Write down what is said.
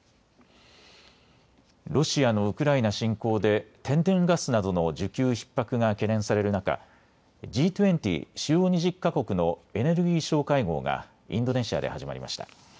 ロシアのウクライナ侵攻で天然ガスなどの需給ひっ迫が懸念される中、Ｇ２０・主要２０か国のエネルギー相会合がインドネシアで始まりました。